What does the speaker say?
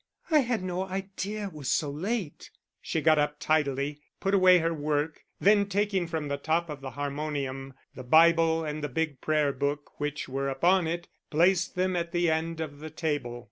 "I had no idea it was so late." She got up and tidily put away her work, then taking from the top of the harmonium the Bible and the big prayer book which were upon it, placed them at the end of the table.